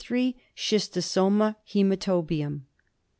Schistosomum hcematobium.